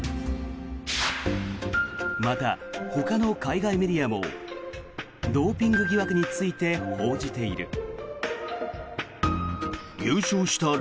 またほかの海外メディアもドーピング疑惑について報じている。